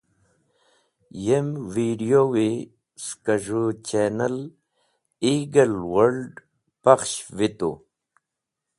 Yem vid̃iyowi skẽ z̃hũ channel “EaglesWorld” pakhsh vitu.